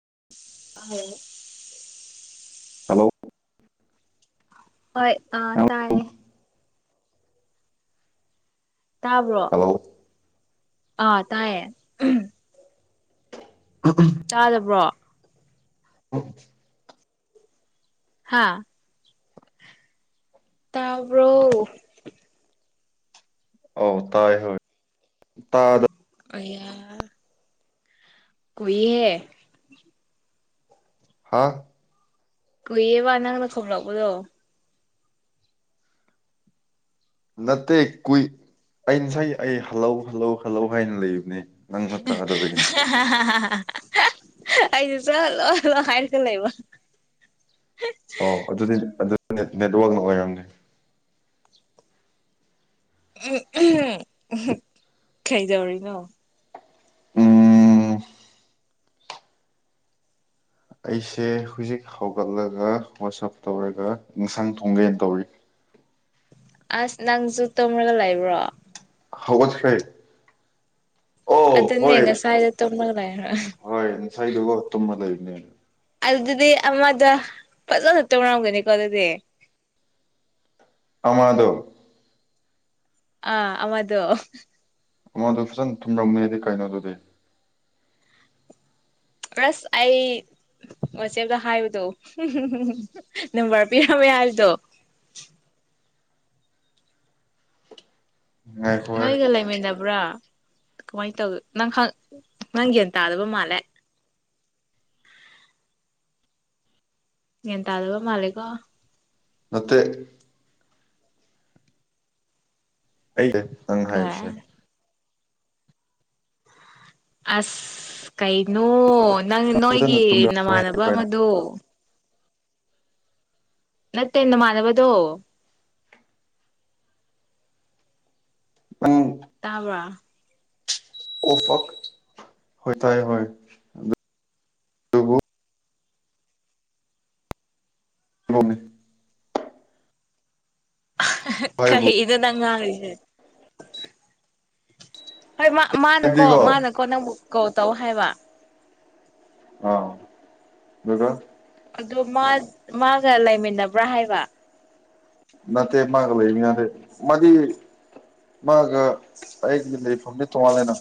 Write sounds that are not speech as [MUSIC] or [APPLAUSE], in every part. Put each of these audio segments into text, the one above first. [UNINTELLIGIBLE] hello ꯍꯣꯏ ꯑ ꯇꯥꯏꯌꯦ ꯇꯥꯕ꯭ꯔꯣ ꯍꯜꯂꯣ ꯑꯥ ꯇꯥꯏꯌꯦ ꯎꯝ ꯆꯥꯗꯕ꯭ꯔꯣ ꯍꯥꯥ ꯇꯥꯕ꯭ꯔꯣ ꯑꯧ ꯇꯥꯏ ꯍꯣꯏ ꯇꯥꯗ ꯀꯩ ꯍꯥꯏꯌꯣ ꯍꯥꯏꯅꯣ ꯀꯨꯏꯍꯦ ꯍꯥꯥꯎ ꯀꯨꯏꯌꯦꯕ ꯅꯪꯅ ꯈꯨꯝꯔꯛꯕꯗꯣ ꯅꯠꯇꯦ ꯀꯨꯏ ꯑꯩ ꯉꯁꯥꯏ ꯑꯩ ꯍꯜꯂꯧ ꯍꯜꯂꯧ ꯍꯜꯂꯧ ꯍꯥꯏꯅ ꯂꯩꯕꯅꯦ ꯅꯪꯅ ꯇꯥꯗꯕꯒꯤꯅꯦ ꯑꯩꯗꯤ ꯆꯠꯂꯣ ꯍꯥꯏꯔꯀ ꯂꯩꯕ ꯑꯣ ꯑꯗꯨꯗꯤ ꯅꯦꯠ ꯅꯦꯠꯋꯥꯛꯅ ꯑꯣꯏꯔꯝꯅꯤ ꯎ ꯀꯩꯖꯧꯔꯤꯅꯣ ꯎꯝ ꯑꯩꯁꯦ ꯍꯧꯖꯤꯛ ꯍꯧꯒꯠꯂꯒ ꯋꯥꯆꯑꯞ ꯇꯧꯔꯒ ꯏꯟꯁꯥꯡ ꯊꯣꯡꯒꯦꯅ ꯇꯧꯔꯤ [INAUDIBLE] ꯑꯁ ꯅꯪꯁꯨ ꯇꯨꯝꯔꯒ ꯂꯩꯕ꯭ꯔꯣ ꯍꯧꯒꯠꯈ꯭ꯔꯦ ꯑꯣ ꯑꯗꯨꯅꯦ ꯍꯣꯏ ꯉꯁꯥꯏꯗꯣ ꯇꯨꯝꯔꯒ ꯂꯩꯔ ꯍꯣꯏ ꯉꯁꯥꯏꯗꯨꯒꯣ ꯇꯝꯃ ꯂꯩꯕꯅꯦ ꯑꯗꯨꯗꯤ ꯑꯃꯗꯣ ꯐꯖꯅ ꯇꯧꯔꯝꯒꯅꯤꯀꯣ ꯑꯗꯨꯗꯤ ꯑꯥ ꯃꯗꯣ ꯑꯥ ꯑꯃꯗꯣ ꯑꯃꯗꯣ ꯐꯖꯅ ꯇꯨꯝꯔꯝꯅꯤ ꯍꯥꯢꯗꯤ ꯀꯩꯅꯣ ꯑꯗꯨꯗꯤ ꯑꯁ ꯑꯩ ꯋꯥꯆꯦꯞꯇ ꯍꯥꯏꯕꯗꯣ ꯅꯝꯕꯔ ꯄꯤꯔꯝ ꯃꯦ ꯍꯥꯢꯕꯗꯣ [INAUDIBLE] ꯉꯥꯏꯈꯣꯍꯦ ꯅꯣꯏꯒ ꯂꯩꯃꯤꯟꯅꯕ꯭ꯔꯥ ꯀꯃꯥꯏꯅ ꯇꯧꯋ ꯅꯪ ꯈꯪ ꯅꯪ ꯒ꯭ꯌꯥꯟ ꯇꯥꯗꯕ ꯃꯥꯜꯂꯦ ꯒ꯭ꯌꯥꯟ ꯇꯥꯗꯕ ꯃꯥꯂꯦꯀꯣ ꯅꯠꯇꯦ ꯑꯩ ꯅꯪ ꯍꯥꯢꯕꯁꯦ ꯑꯁ ꯀꯩꯅꯣ ꯅꯪ ꯐꯖꯅ ꯅꯣꯏꯒꯤ ꯇꯨꯝꯔꯝꯃꯦ ꯅꯃꯥꯟꯅꯕ ꯀꯩꯅꯣ ꯑꯃꯗꯣ ꯅꯠꯇꯦ ꯅꯃꯥꯟꯅꯕꯗꯣ ꯅꯪ ꯇꯥꯕ꯭ꯔꯥ ꯍꯣꯢ ꯇꯥꯏ ꯍꯣꯢ ꯑꯗꯨ ꯒꯣꯝꯅꯦ ꯍꯥꯏꯕꯨ ꯀꯩꯗ ꯅꯪ ꯉꯥꯡꯉꯤꯁꯦ ꯍꯣꯏ ꯃꯥ ꯃꯥꯅꯀꯣ ꯍꯥꯏꯕꯗꯤꯀꯣ ꯃꯥꯅꯀꯣ ꯅꯪꯕꯨ ꯀꯣꯜ ꯇꯧ ꯍꯥꯏꯕ ꯑꯥ ꯗꯨꯗ ꯑꯗꯨ ꯃꯥ ꯃꯥꯒ ꯂꯩꯃꯤꯟꯅꯕ꯭ꯔꯥ ꯍꯥꯏꯕ ꯅꯠꯇꯦ ꯃꯥꯒ ꯂꯩꯃꯤꯟꯅꯗꯦ ꯃꯥꯗꯤ ꯃꯥꯒ ꯑꯩꯒꯤ ꯂꯩꯐꯝꯅꯤ ꯇꯣꯉꯥꯜꯂꯦꯅ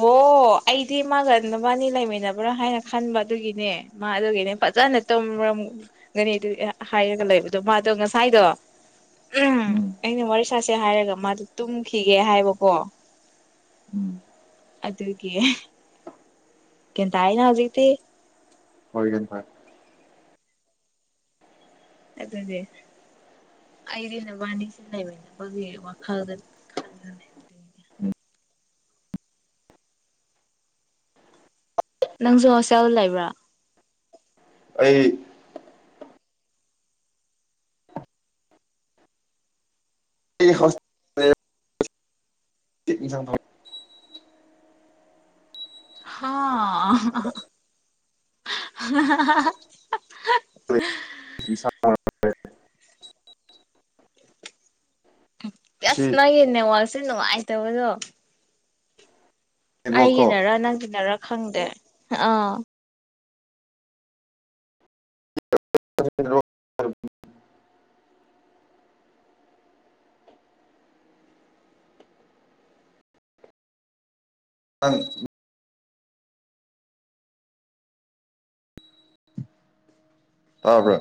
ꯑꯣ ꯑꯩꯗꯤ ꯃꯥꯒ ꯅꯕꯥꯟꯅꯤ ꯂꯩꯃꯤꯟꯅꯕ꯭ꯔꯥ ꯍꯥꯏꯅ ꯈꯟꯕ ꯑꯗꯨꯒꯤꯅꯦ ꯃꯥ ꯑꯗꯨꯒꯤꯅꯦ ꯐꯖꯅ ꯇꯨꯝꯔꯝꯒꯅꯤ ꯑꯗꯨ ꯍꯥꯏꯔꯒ ꯂꯩꯕꯗꯣ ꯃꯥꯗꯣ ꯉꯁꯥꯏꯗꯣ [INAUDIBLE] ꯎꯝ ꯑꯩꯅ ꯋꯦꯔꯤ ꯁ ꯁꯥꯥꯁꯦ ꯍꯥꯏꯔꯒ ꯃꯥꯗꯣ ꯇꯨꯝꯈꯤꯒꯦ ꯍꯥꯏꯕꯀꯣ ꯎꯝ ꯑꯗꯨꯒꯤ ꯒ꯭ꯌꯥꯟ ꯇꯥꯔꯦꯅ ꯍꯧꯖꯤꯛꯇꯤ ꯑꯣꯏ ꯒ꯭ꯌꯥꯟ ꯇꯥꯢ ꯑꯗꯨꯅꯦ ꯑꯩꯗꯤ ꯅꯕꯥꯅꯤꯁꯦ ꯂꯩꯃꯤꯟꯅꯕꯒꯤ ꯋꯥꯈꯜꯗ ꯈꯟꯕꯅꯦ ꯅꯪꯁꯨ ꯍꯣꯁꯇꯦꯜ ꯗ ꯂꯩꯕ꯭ꯔꯥ ꯑꯩ ꯑꯩ ꯍꯣꯁ ꯆꯤꯠ ꯏꯟꯖꯥꯡ ꯊꯣꯡ ꯍꯥ ꯍꯍ ꯏꯟꯁꯥꯡ [UNINTELLIGIBLE] ꯁꯤ ꯕꯦꯁ ꯅꯪꯒꯤ ꯅꯦꯠꯋꯥꯛꯁꯦ ꯅꯨꯡꯉꯥꯏꯇꯕꯗꯣ ꯅꯦꯠꯋꯥꯛ ꯀꯣ ꯑꯩꯒꯤꯅꯔ ꯅꯪꯒꯤꯅꯔ ꯈꯪꯗꯦ ꯑꯥ [UNINTELLIGIBLE] ꯅꯪ ꯇꯥꯕ꯭ꯔꯥ